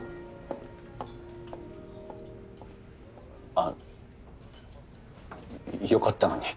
あっよかったのに。